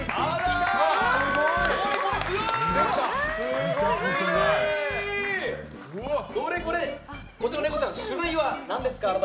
すごい！こちらのネコちゃん種類は何ですか？